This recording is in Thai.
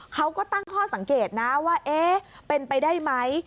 เขาก็ตั้งข้อสังเกตนะว่าเอ๊ะเป็นไปได้ไหม